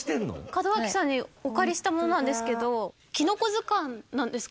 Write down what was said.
門脇さんにお借りしたものなんですけどきのこ図鑑なんですか？